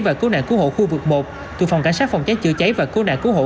và cứu nạn cứu hộ khu vực một thuộc phòng cảnh sát phòng cháy chữa cháy và cứu nạn cứu hộ